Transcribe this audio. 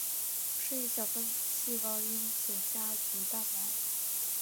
是一小分子细胞因子家族蛋白。